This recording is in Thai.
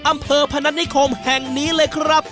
อำเภอพนัทนิคมแห่งนี้เลยครับ